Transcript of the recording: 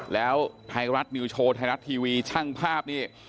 แล้วไทยรัฐนิวโชว์ไทยรัฐทีวีช่างภาพนี่